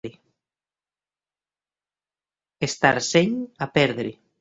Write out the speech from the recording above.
Estar seny a perdre.